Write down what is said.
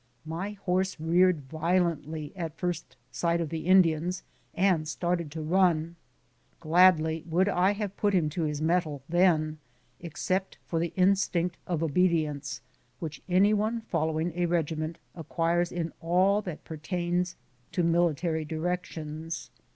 My horse reared violently at first sight of the Indians, and started to run. Gladly would I have put him to his mettle then, except for the instinct of obedience, which any one following a regiment acquires in all that pertains to military directions.